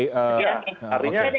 ya oke saya dah ingat